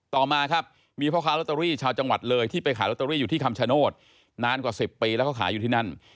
ต่อมาครับมีพ่อค้าลอตเตอรี่ชาวจังหวัดเลยที่ไปขายลอตเตอรี่อยู่ที่คำชโนธนานกว่า๑๐ปีแล้วเขาขายอยู่ที่นั่น